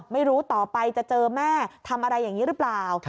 ไม่รู้ต่อไปจะเจอแม่ทำอะไรอย่างนี้หรือเปล่า